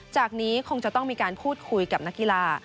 จากนี้คงจะต้องมีการพูดคุยกับนักกีฬา